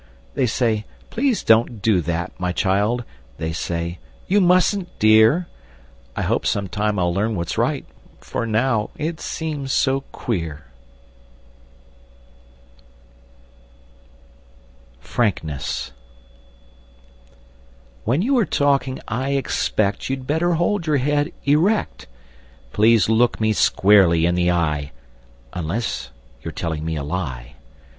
They say, "Please don't do that, my child!" They say, "You mustn't, dear!" I hope sometime I'll learn what's right, For now it seems so queer! [Illustration: Frankness] FRANKNESS When you are talking, I expect You'd better hold your head erect! Please look me squarely in the eye Unless you're telling me a lie.